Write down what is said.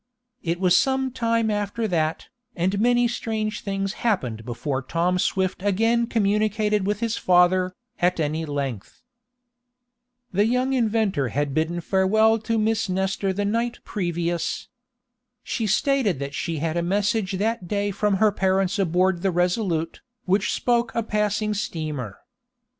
It was some time after that, and many strange things happened before Tom Swift again communicated with his father, at any length. The young inventor had bidden farewell to Miss Nestor the night previous. She stated that she had a message that day from her parents aboard the RESOLUTE, which spoke a passing steamer.